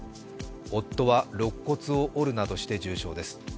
夫はろっ骨を折るなどして重傷です。